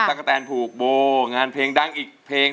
กะแตนผูกโบงานเพลงดังอีกเพลง